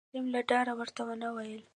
کريم له ډاره ورته ونه ويل